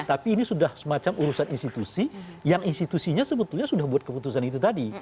tapi ini sudah semacam urusan institusi yang institusinya sebetulnya sudah buat keputusan itu tadi